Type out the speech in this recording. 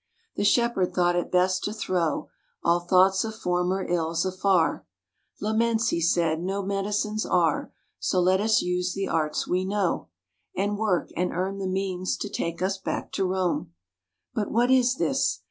The Shepherd thought it best to throw All thoughts of former ills afar; "Laments," he said, "no medicines are; So let us use the arts we know, And work, and earn the means to take us back to Rome." But what is this?